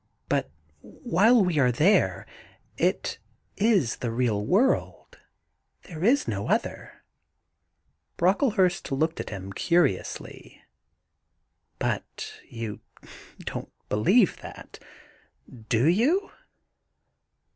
But while we are there, you know, it is the real world, there is no other/ Brocklehurst looked at him curiously. 'But you don't believe that, do you